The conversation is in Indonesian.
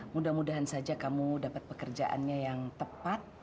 mudah mudahan saja kamu dapat pekerjaannya yang tepat